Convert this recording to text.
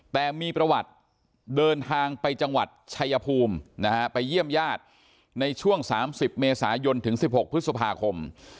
แต่มีประวัติเดินทางไปจังหวัดชายภูมินะฮะไปเยี่ยมญาติในช่วง๓๐เมษายนถึง๑๖พฤษภาคม